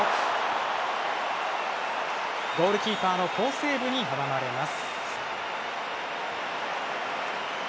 ゴールキーパーの好セーブに阻まれます。